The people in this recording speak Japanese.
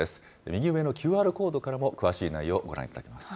右上のＱＲコードからも詳しい内容ご覧いただけます。